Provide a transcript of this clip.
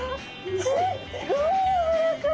すっごいやわらかい！